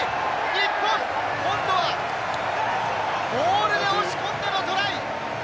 日本、今度はモールで押し込んでのトライ！